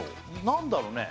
何だろうね？